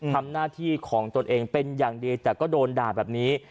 ทำหน้าที่ของตนเองเป็นอย่างดีแต่ก็โดนด่าแบบนี้